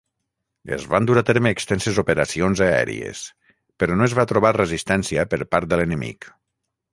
Es van dur a terme extenses operacions aèries, però no es va trobar resistència per part de l'enemic.